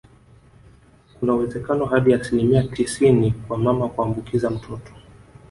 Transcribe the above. Kuna uwezekano hadi asilimia tisini kwa mama kumuambukiza mtoto